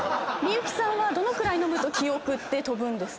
幸さんはどのくらい飲むと記憶って飛ぶんですか？